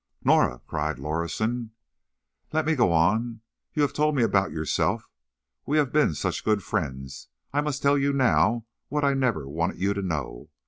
"Norah!" cried Lorison. "Let me go on. You have told me about yourself. We have been such good friends. I must tell you now what I never wanted you to know.